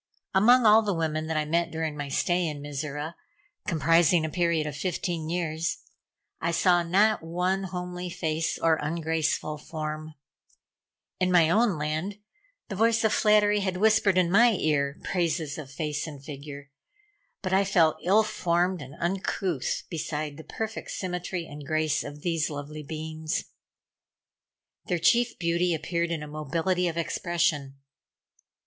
Among all the women that I met during my stay in Mizora comprising a period of fifteen years I saw not one homely face or ungraceful form. In my own land the voice of flattery had whispered in my ear praises of face and figure, but I felt ill formed and uncouth beside the perfect symmetry and grace of these lovely beings. Their chief beauty appeared in a mobility of expression.